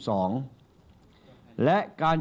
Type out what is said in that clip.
ขอบคุณครับ